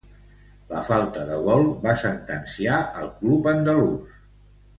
La falta de gol va sentenciar el club andalús.